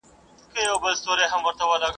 تاسو د علم په ترلاسه کولو کي هڅه کړې ده.